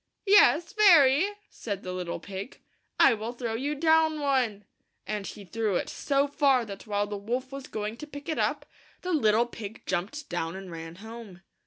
"Yes, very, said the little pig. " I will throw you down one and he threw it so far that while the wolf was going to pick it up, the little pig jumped down and ran home.